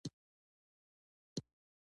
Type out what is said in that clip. وروسته بیا غلو او لوټمارانو ولوټله.